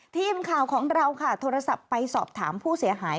ทีมข่าวของเราค่ะโทรศัพท์ไปสอบถามผู้เสียหาย